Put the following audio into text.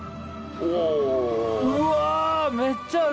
うわ！